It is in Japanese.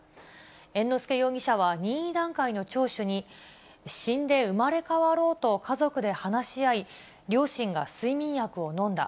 猿之助容疑者は任意段階の聴取に、死んで生まれ変わろうと家族で話し合い、両親が睡眠薬を飲んだ。